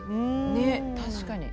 ねっ確かに。